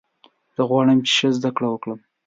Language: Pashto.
زه غواړم چې ښه زده کړه وکړم.